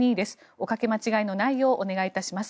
おかけ間違いのないようお願いいたします。